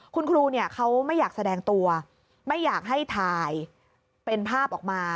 คุณครูเนี่ยเขาไม่อยากแสดงตัวไม่อยากให้ถ่ายเป็นภาพออกมา